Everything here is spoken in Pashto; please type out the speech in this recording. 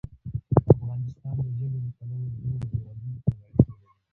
افغانستان د ژبې له پلوه له نورو هېوادونو سره اړیکې لري.